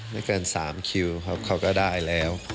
ไม่เกิน๓คิวครับเขาก็ได้แล้ว